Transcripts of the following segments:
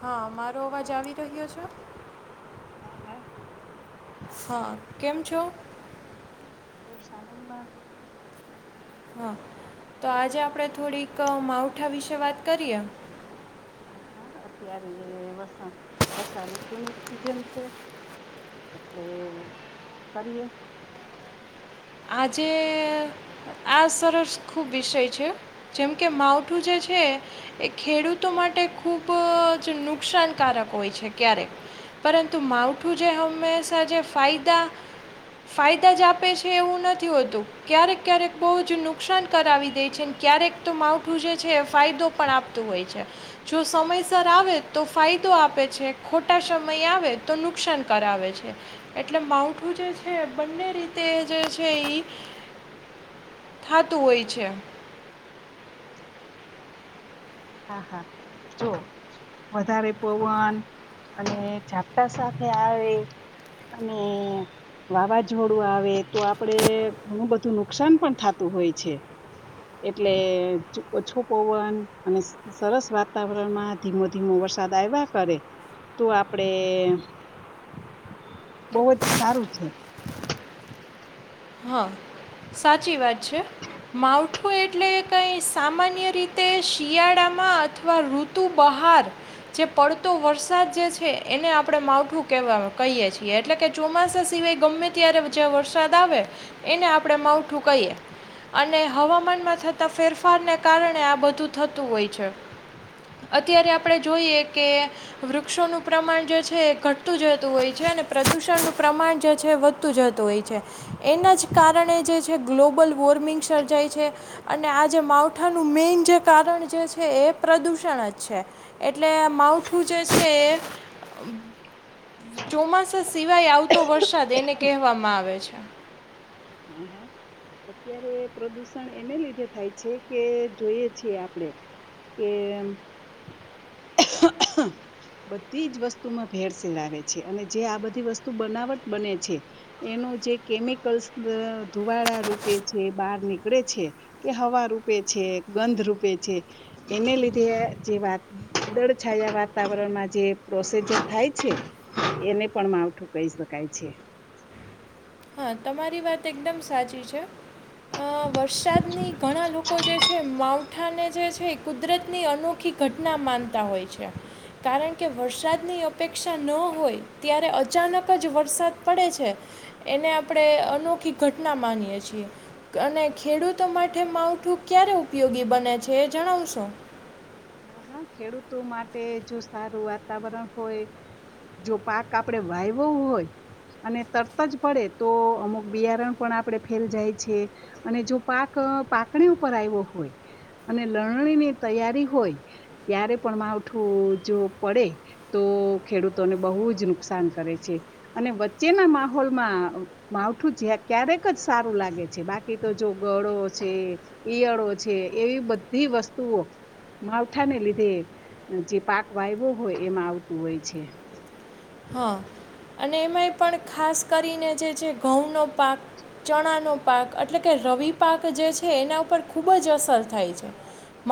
હા, મારો અવાજ આવી રહ્યો છે? હા હા હા. કેમ છો? બસ આનંદમાં. હા. તો આજે આપડે થોડીક અહ માવઠા વિશે વાત કરીએ. હા હા, અત્યારે એ વર્ષા વર્ષા ઋતુની જ સીઝન છે એટલે કરીએ. આજે આ સરસ ખૂબ વિષય છે જેમ કે માવઠું જે છે એ ખેડૂતો માટે ખૂબ જ નુકસાનકારક હોય છે. ક્યારેક પરંતુ માવઠું જે હંમેશા જે ફાયદા ફાયદા જ આપે છે. છે એવું નથી હોતું ક્યારેક ક્યારેક બહુ જ નુકસાન કરાવી દે છે ક્યારેક તો માવઠું જે છે એ ફાયદો પણ આપતું હોય છે. જો સમયસર આવે તો ફાયદો આપે છે, ખોટા સમય આવે તો નુકસાન કરાવે છે, એટલે માવઠું જે છે, બંને રીતે જે છે ઈ થાતુ હોય છે. હા હા જો વધારે પવન અને ઝાપટા સાથે આવે અને વાવાઝોડું આવે તો આપડે ઘણું બધું નુકસાન પણ થતું હોય છે, એટલે ઓછો પવન, અને સરસ વાતાવરણમાં ધીમો ધીમો વરસાદ આવ્યા કરે, તો આપડે બહુ જ સારું છે. હા. સાચી વાત છે, માવઠું આખું એટલે કંઈ સામાન્ય રીતે શિયાળામાં અથવા ઋતુ બહાર જે પડતો, વરસાદ જે છે એને આપણે માવઠું કહે કહીએ છીએ એટલે કે ચોમાસા સિવાય ગમે ત્યારે જ્યાં વરસાદ આવે. એને આપણે માવઠું કહીએ અને હવામાનમાં થતા ફેરફારને કારણે આ બધું થતું હોય છે અત્યારે આપડણે જોઈએ કે વૃક્ષોનુપ્રમાણ જે છે, એ ઘટતું જતું હોય છે. અને પ્રદુષણનું પ્રમાણ જે છે વધતું જતું હોય છે. એના જ કારણે જે છે ગ્લોબલ વોર્મિંગ સર્જાય છે અને આ જે માવઠાનું મેન જે કારણ જે છે, એ પ્રદૂષણ જ છે, એટલે માવઠું જે છે, એ ચોમાસા સિવાય આવતો વરસાદ એને કહેવામાં આવે છે. હા હા અત્યારે પ્રદુષણ એને લીધે થાય છે કે જોઈએ છે આપણેે કે બધી જ વસ્તુમાં ભેળસેેળ આવે છે, અને જે આ બધી વસ્તુ બનાવટ બને છે, એનું જે કેમિકલ્સ ધુવાળા રૂપે છે બહાર નીકળે છે કે હવા રૂપે છે ગંધ રૂપે છે, એને લીધે જે વાદળછાયા વાતાવરણમાં જે પ્રોસેજર થાય છે, એને પણ માવઠું કહી શકાય છે. હા તમારી વાત એકદમ સાચી છે. વરસાદની ઘણા લોકો જે છે માઉન્ટ માવઠાને જે છે એ કુદરતની અનોખી ઘટના માનતા હોય છે, કારણ કે વરસાદની અપેક્ષા ન હોય ત્યારે અચાનક જ વરસાદ પડે છે. એને આપણે અનોખી ઘટના માનીએ છીએ, અને ખેડૂતો માટે માવઠું ક્યારે ઉપયોગી બને છેએ જણાવશો, હા હા ખેડૂતો માટે જો સારું વાતાવરણ હોય જો પાક આપણે વાવવો હોય અને તરત જ પડે તો અમુક બિયારણ પણ આપણે ફેલ જાય છે, અને જો પાક પાકણી ઉપર આવ્યો હોય અને લણવા ની તૈયારી હોય. ત્યારે પણ માવઠું જો પડે તો ખેડૂતોને બહુ જ નુકસાન કરે છે, અને વચ્ચેના માહોલમાં માવઠું ક્યારેક જ સારું લાગે છે, બાકી તો જો ગળો છે, ઈયળો છે, એવી બધી વસ્તુઓ, માવઠાને લીધે જે પાક વાવ્યો હોય એમાં આવતું હોય છે. હા અને એમાંય પણ ખાસ કરીને જે છે ઘઉંનો પાક ચણાનો પાક એટલે કે રવિ પાક જે છે એના ઉપર ખૂબ જ અસર થાય છે,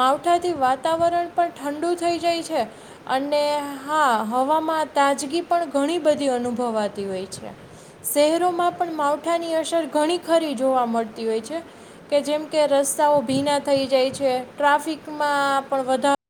માવઠાથી વાતાવરણ પણ ઠંડુ થઈ જાય છે અને હા હવામાં તાજગી પણ ઘણી બધી અનુભવાતી હોય છે શહેરોમાં પણ માવઠાની અસર ઘણી ખરી જોવા મળતી હોય છે, કે જેમ કે રસ્તાઓ ભીના થઈ જાય છે, ટ્રાફિકમાં પણ વધારો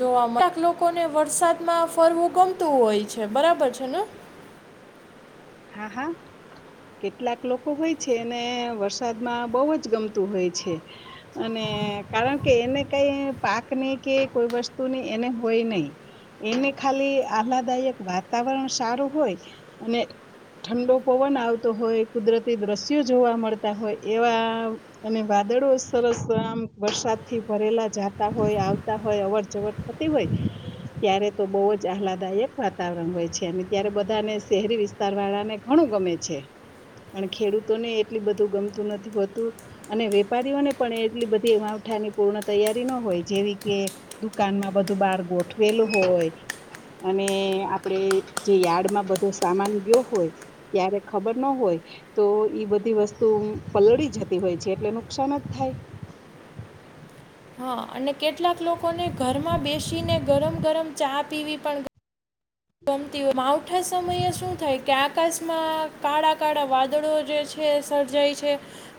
જોવા કેટલા લોકોને વરસાદમાં ફરવું ગમતું હોય છે બરાબર છે ને. હા હા કેટલાક લોકો હોય છે એને વરસાદમાં બહુ જ ગમતું હોય છે, અને કારણ કે એને કઈ પાકની કે કોઈ વસ્તુની એને હોય નહી એને ખાલી આહલાદાયક વાતાવરણ સારું હોય, અને ઠંડો પવન આવતો હોય કુદરતી દ્રશ્યો જોવા મળતા હોય એવા અને વાદળો સરસ આમ વરસાદથી ભરેલા જતા હોય આવતા હોય અવર અજવર થતી હોય ત્યારે તો બહુ જ આહલાદાયક વાતાવરણ હોય છે, અને ત્યારે બધાને શહેરી વિસ્તાર વાળા ઘણું ગમે છે પણ ખેડૂતોને એટલ બધું ગમતું નથી હોતું અને વેપારીઓને પણ એટલી બધી માવઠાની પૂર્ણ તૈયારી ન હોય જેવી કે દુકાનમાં બધું બાર ગોઠવેલું હોય અને આપણે જે યાર્ડમાં બધો સામાન ગયો હોય. ત્યારે ખબર ન હોય તો ઈ બધી વસ્તુ પલળી જતી હોય છે, એટલે નુકસાન જ થાય. હા, અને કેટલાક લોકોને ઘરમાં બેસીને ગરમ ગરમ ચા પીવી પણ ગમતી માવઠા સમયે શું થાય કે આકાશમાં કાળા કાળા વાદળો જે છે સર્જાય છે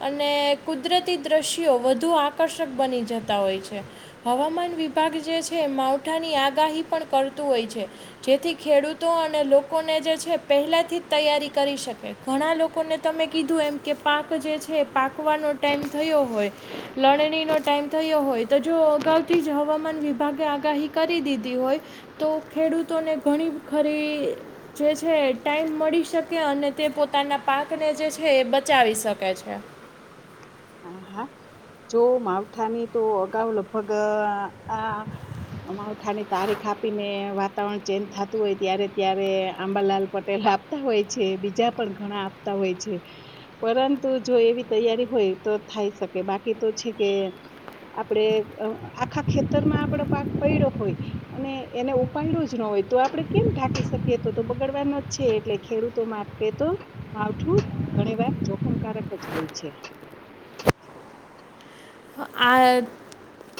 અને કુદરતી દ્રશ્યો વધુ આકર્ષક બની જતા હોય છે, હવામાન વિભાગ જે છે, માવઠાની આગાહી પણ કરતું હોય છે. જેથી ખેડૂતો અને લોકોને જે છે પહેલાંથી જ તૈયારી કરી શકે ઘણા લોકોને તમે કીધું એમ કે પાક જે છે પાકવાનો ટાઈમ થયો હોય લણવા નો ટાઈમ થયો હોય, તો જો અગાઉથી જ હવામાન વિભાગે આગાહી કરી દીધી હોય, તો ખેડૂત તોને ઘણી ખરી જે છે ટાઈમ મળી શકે અને તે પોતાના પાકને જે છે એ બચાવી શકે છે. હા હા જો માવઠાની તો અગાઉ લગભગ આ માવઠાની તારીખ આપીને વાતાવરણ ચેન્જ થતું હોય ત્યારે ત્યારે આંબાલાલ પટેલ આપતા હોય છે બીજા પણ ઘણા આપતા હોય છે, પરંતુ જો એવી તૈયારી હોય. તો થાય બાકી તો છે કે આપણેે આખા ખેતરમાં આપડો પાક પડ્યો હોય અને એને ઉપાડો જ ન હોય તો આપડે કેમ ઢાકી શકીએ તો તો બગડવાનો જ છે, એટલે ખેડૂતો માટે તો માવઠું ઘણી વાર જોખમકારક જ હોય છે. આ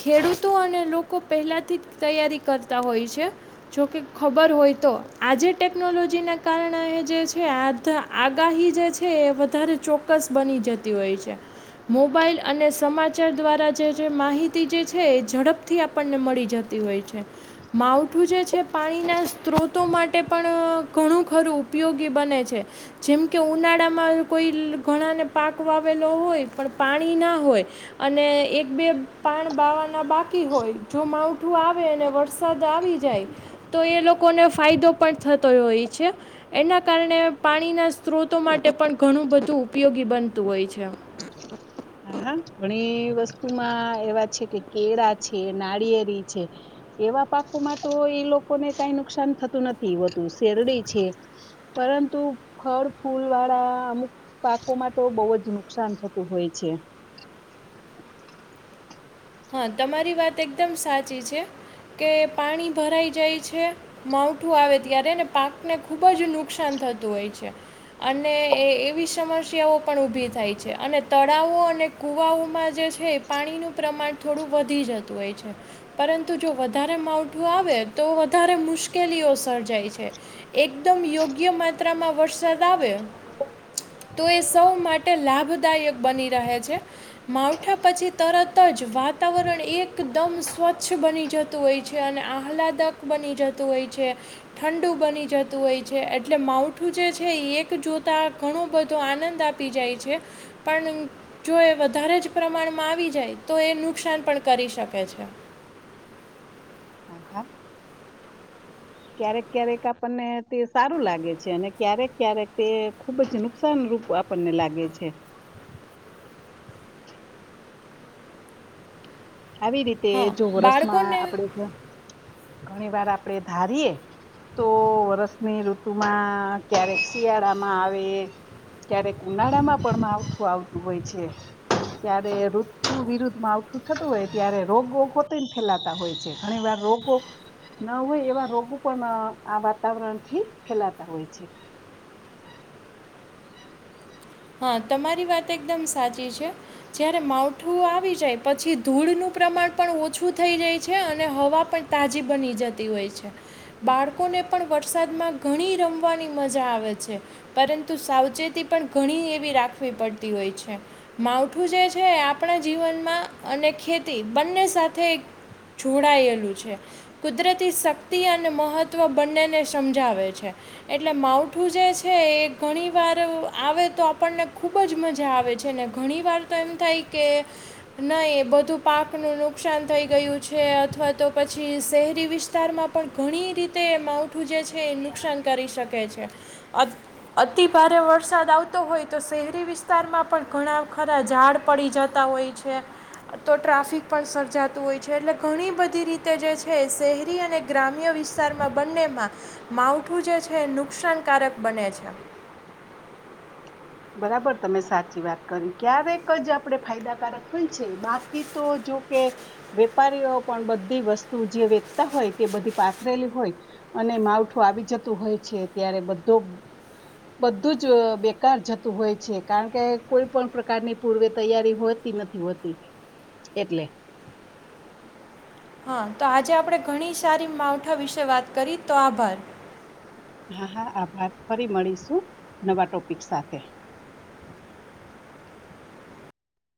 ખેડૂતો અને લોકો પહેલાંથી જ તૈયારી કરતા હોય છે જોકે ખબર હોય તો આજે ટેકનોલોજીના કારણે જે છે, આ આગાહી જે છે એ વધારે ચોક્કસ બની જતી હોય છે, મોબાઈલ અને સમાજમાં સચાર દ્વારા જે માહિતી જે છે એ ઝડપથી આપણને મળી જતી હોય છે માવઠું જે છે પાણીના સ્ત્રોતો માટે પણ ઘણું ખરું ઉપયોગી બને છે, જેમ કે ઉનાળામાં કોઈ ઘણાને પાક વાવેલો હોય, પણ પાણી ના હોય, અને એક બે પાણ બાવાના બાકી હોય જો માવઠું આવે અને વરસાદ આવી જાય તો એ લોકોને ફાયદો પણ થતો હોય છે, એના કારણે પાણીના સ્ત્રોતો માટે પણ ઘણું બધું ઉપયોગી બનતું હોય છે. હા હા ઘણી વસ્તુમાં એવા છે કે કેળા છે નાળિયેરી છે એવા પાકોમાં તો એ લોકોને કઈ નુકસાન થતું નથી હોતું શેરડી છે પરંતુ ફળ ફૂલ વાળા અમુક પાકોમાં તો બહુ જ નુકસાન થતું હોય. છે. હા તમારી વાત એકદમ સાચી છે કે પાણી ભરાઈ જાય છે માવઠું આવે ત્યારેને પાકને ખૂબ જ તમારી વાત એકદમ સાચી છે કે પાણી ભરાઈ જાય છેમાવઠું આવે ત્યારે પાકને ખૂબ જ નુકસાન થતું હોય છે, અને એ એવી સમસ્યાઓ પણ ઊભી થાય છે, અને તળાવો અને કુવાઓમાં જે છે એ પાણીનું પ્રમાણ થોડું વધી જતું હોય છે પરંતુ જો વધારે માવઠું આવે તો વધારે મુશ્કેલીઓ સર્જાય છે એકદમ થોડું વધી જતું હોય છે, પરંતુ જો વધારે માવઠું આવે તો વધારે મુશ્કેલીઓ થઈ જાય છે, એકદમ યોગ્ય માત્રામાં વરસાદ આવે તો એ સૌ માટે લાભદાયક બની રહે છે, માવઠા પછી તરત જ વાત વાતાવરણ એકદમ સ્વચ્છ બની જતું હોય છે અને આહલાદક બની જતું હોય છે ઠંડુ બની જતું હોય છે એટલે માવઠું જે છે એ એક જોતા ઘણું બધો આનંદ આપી જાય છે પણ જો એ વધારે જ પ્રમાણમાં આવી જાય તો એ નૂ નુકસાન પણ કરી શકે છે. હહા. ક્યારેક ક્યારેક આપણને તે સારું લાગે છે અને ક્યારેક ક્યારેક તે ખુબ જ નુકસાન રૂપ આપણને લાગે છે. આવી રીતે હા જો વરસમાં બાળકોને આપણે ઘણી વારા આપણે ધારીએ તો વરસની ઋતુ માં ક્યારેક શિયાળામાં આવે, ક્યારેક ઉનાળામાં પણ માવઠું આવતું હોય છે, ક્યારે ઋતુ વિરુદ્ધમાં માવઠું થત હોય ત્યારે રોગો પોતેને ફેલાતા હોય છે ઘણી વાર રોગો ના હોય એવા રોગો પણ આ વાતાવરણથી ફેલાતા હોય છે. હા તમારી વાત એકદમ સાચી છે જ્યારે માવઠું આવી જાય પછી ધૂળનું પ્રમાણ પણ ઓછું થઈ જાય છે અને હવા પણ તાજી બની જતી હોય છે બાળકોને પણ વરસાદમાં ઘણી રમવાની મજા આવે છે પરંતુ સાવચેતી પણ ઘણી એવી રાખવી પડતી હોય છે. માવઠું જે છે આપણા જીવન અને ખેતી બંને સાથે જોડાયેલું છે કુદરતી શક્તિ અને મહત્ત્વ બંનેને સમજાવે છે એટલે માવઠું જે છે એ ઘણી વાર આવે તો આપણને ખૂબ જ મજા આવે છે ને ઘણી વાર તો એમ થાય કે નહીં એ બધું પાકનું નુકસાન થઈ ગયું છે અથવા તો પછી શહેરી વિસ્તારમાં પણ ઘણી રીતે તે માવઠું જે છે નુકસાન કરી શકે છે, અતિ ભારે વર હોય તો શહેરી વિ વિસ્તારમાં પણ ઘણ ખા બધા ઝાડ પડી જતા હોય છે, તો ટ્રાફિક પણ સર્જાતું હોય છે એટલે ઘણી બધી રીતે જે છે. કે શહેરી અને ગ્રામ્ય વિશ્ વિસ્તારમાં બંનેમાં, માવઠું જે છે નુકસાનકારક બને છે. બરાબર તમે સાચી વાત કરી ક્યારેક જ આપણે ફાયદાકારક હોય છે બાકી તો જોકે વેપારીઓ પણ બધી વસ્તુ જે વેચતા હોય તે બધી પાથરેલી હોય અને માવઠું આવી જતું હોય છે ત્યારે બધું બધું જ બેકાર જ હોય છે કારણ કે કોઈ પણ પ્રકારની પૂર્વે તૈયારી હોતી નથી હોતી એટલે. હા તો આજે આપણે ઘણી સારી માવઠા વિશે વાત કરી તો આભાર. હા હા આભાર ફરી મળીશું નવા ટોપિક સાથે.